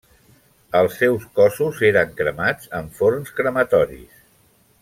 Els seus cossos eren cremats en forns crematoris.